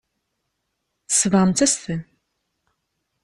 Tsebɣemt-as-ten.